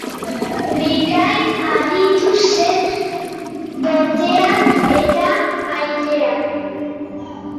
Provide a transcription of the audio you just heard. Bikain aritu zen botean eta airean.